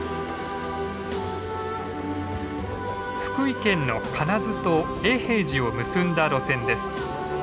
福井県の金津と永平寺を結んだ路線です。